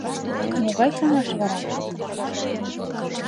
Могай каҥаш вара?